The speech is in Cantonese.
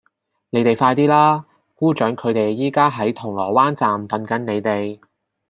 你哋快啲啦!姑丈佢哋而家喺銅鑼灣站等緊你哋